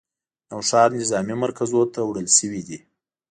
نوښار نظامي مرکزونو ته وړل شوي دي